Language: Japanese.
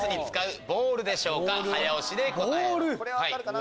これ分かるかな。